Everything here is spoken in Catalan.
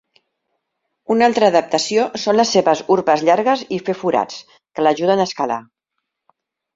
Una altra adaptació són les seves urpes llargues i fer forats, que l'ajuden a escalar.